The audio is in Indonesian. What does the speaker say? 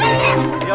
pergi pergi kamu